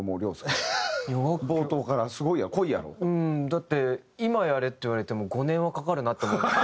だって今やれって言われても５年はかかるなって思います